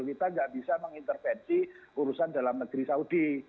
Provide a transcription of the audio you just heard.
kita nggak bisa mengintervensi urusan dalam negeri saudi